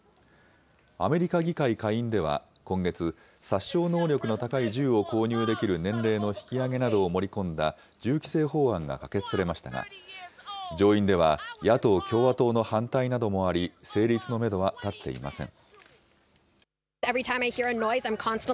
アメリカ議会下院では、今月、殺傷能力の高い銃を購入できる年齢の引き上げなどを盛り込んだ、銃規制法案が可決されましたが、上院では、野党・共和党の反対などもあり、成立のメドは立っていません。